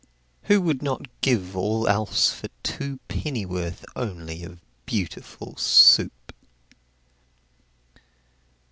Who would not give all else for two Pennyworth only of Beautiful Soup?